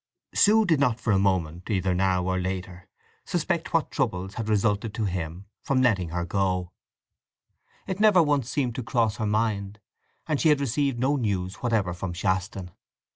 Sue did not for a moment, either now or later, suspect what troubles had resulted to him from letting her go; it never once seemed to cross her mind, and she had received no news whatever from Shaston.